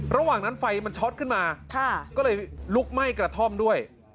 ระหว่างนั้นไฟมันช็อตขึ้นมาก็เลยลุกไหม้กระท่อมด้วย